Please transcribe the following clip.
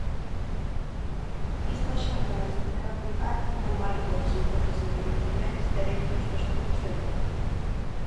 Estas xornadas tiveron lugar no marco dos Encontros Internacionais Dereitos dos Pobos de Europa.